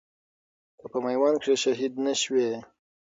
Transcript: که په ميوند کښي شهيد نه شوې